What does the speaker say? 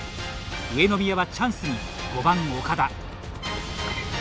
上宮はチャンスに５番岡田。